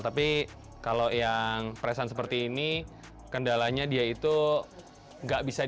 tapi kalau yang presen seperti ini kendalanya dia itu nggak bisa dikawal